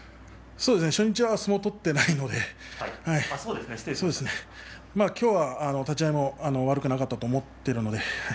初日、相撲を取っていませんので今日は立ち合い悪くなかったと思っています。